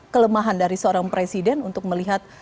kelemahan dari seorang presiden untuk melihat